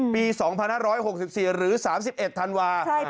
ปี๒๕๖๔หรือ๓๑ธันวาคม